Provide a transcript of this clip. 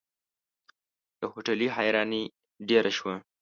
د هوټلي حيراني ډېره شوه.